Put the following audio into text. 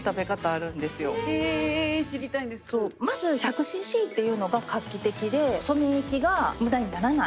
まず１００ｃｃっていうのが画期的で染め液が無駄にならない。